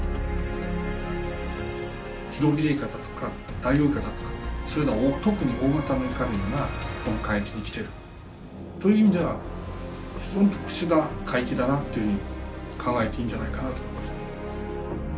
ヒロビレイカだとかダイオウイカだとかそういうのがという意味では非常に特殊な海域だなというふうに考えていいんじゃないかと思いますね。